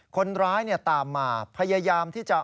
คนร้ายตามมาพยายามที่จะ